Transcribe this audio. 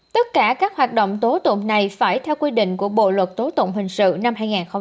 tất cả các hoạt động tố tụng này phải theo quy định của bộ luật tố tụng hình sự năm hai nghìn một mươi năm